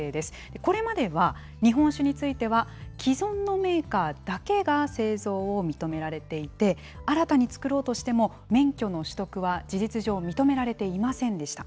これまでは日本酒については、既存のメーカーだけが製造を認められていて、新たに造ろうとしても免許の取得は事実上、認められていませんでした。